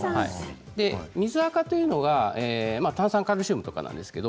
水あかというのは炭酸カルシウムとかなんですけど